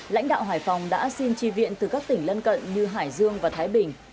lãnh đạo hải phòng đã xin tri viện từ các tỉnh lân cận như hải dương và thái bình